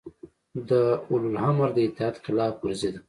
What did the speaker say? د اولوامر د اطاعت خلاف ورزي ده